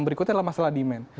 itu adalah masalah demand